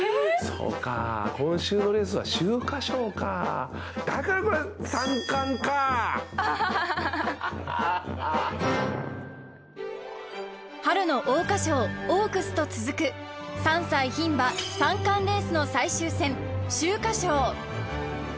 そうか今週のレースは秋華賞かアハハッ春の桜花賞オークスと続く３歳ひん馬三冠レースの最終戦秋華賞